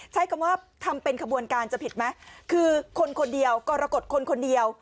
ใช้คำว่าทำเป็นขบวนการจะผิดไหมคือคนคนเดียวกรกฎคนคนเดียว